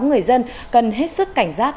người dân cần hết sức cảnh giác